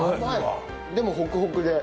でもホクホクで。